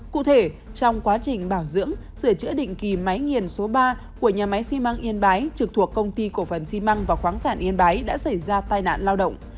cụ thể trong quá trình bảo dưỡng sửa chữa định kỳ máy nghiền số ba của nhà máy xi măng yên bái trực thuộc công ty cổ phần xi măng và khoáng sản yên bái đã xảy ra tai nạn lao động